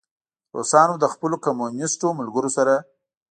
روسانو له خپلو کمونیسټو ملګرو سره.